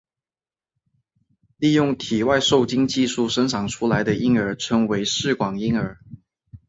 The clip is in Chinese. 利用体外受精技术生产出来的婴儿称为试管婴儿。